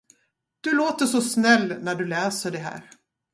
Du låter så snäll när du läser det här.